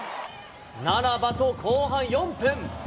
ならばと後半４分。